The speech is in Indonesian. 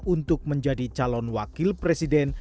untuk menjadi calon wakil presiden